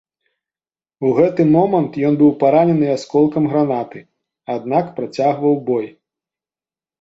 У гэты момант ён быў паранены асколкам гранаты, аднак працягваў бой.